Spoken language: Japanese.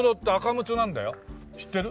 知ってる？